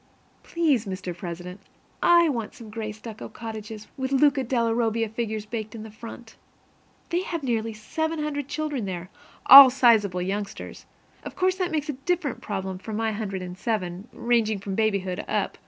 Please, Mr. President, I want some gray stucco cottages, with Luca della Robbia figures baked into the front. They have nearly 700 children there, and all sizable youngsters. Of course that makes a very different problem from my hundred and seven, ranging from babyhood up.